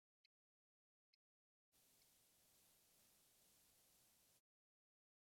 তিনি জনতার মধ্য হইতে ছুটিয়া বাহির হইয়া গেলেন।